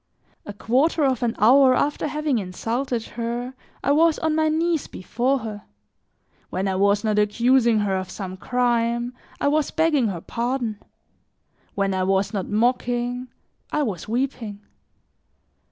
A quarter of an hour after having insulted her, I was on my knees before her; when I was not accusing her of some crime, I was begging her pardon; when I was not mocking, I was weeping.